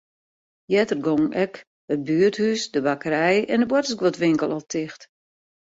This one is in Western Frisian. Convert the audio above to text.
Earder gongen ek it buerthûs, de bakkerij en de boartersguodwinkel al ticht.